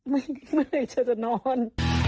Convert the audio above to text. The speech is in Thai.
ไม่ไม่ได้เจอจะนอน